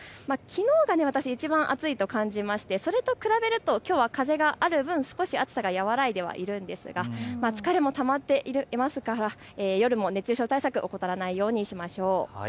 きのうがいちばん暑いと感じましてそれと比べるときょうは風がある分、少し暑さが和らいではいるんですが、疲れもたまっていますから夜も熱中症対策を怠らないようにしましょう。